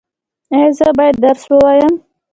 ایا زه باید درس ووایم؟